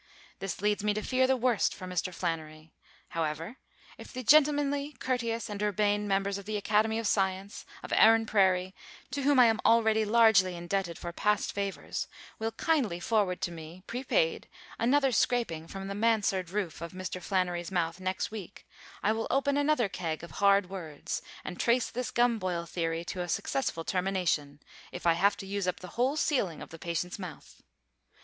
This leads me to fear the worst for Mr. Flannery. However, if the gentlemanly, courteous and urbane members of the Academy of Science, of Erin Prairie, to whom I am already largely indebted for past favors, will kindly forward to me, prepaid, another scraping from the mansard roof of Mr. Flannery's mouth next week, I will open another keg of hard words and trace this gumboil theory to a successful termination, if I have to use up the whole ceiling of the patient's mouth.